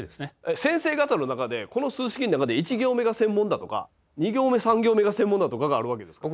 先生方の中でこの数式の中で１行目が専門だとか２行目３行目が専門だとかがあるわけですか？